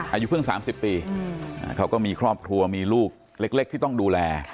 อายุเพิ่ง๓๐ปีเขาก็มีครอบครัวมีลูกเล็กที่ต้องดูแล